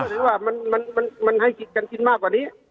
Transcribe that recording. ผมก็คิดว่ามันให้กิดกันกินมากกว่านี้